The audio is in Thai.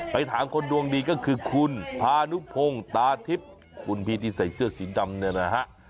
ไปถามคนดวงดีก็คือคุณพานุพงศ์ตาทิพย์คุณพี่ที่ใส่เสื้อสีดำเนี่ยนะฮะ